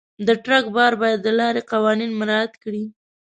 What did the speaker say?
د ټرک بار باید د لارې قوانین مراعت کړي.